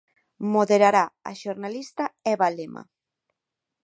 Moderará a xornalista Eva Lema.